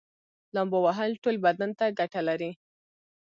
لامبو وهل ټول بدن ته ګټه لري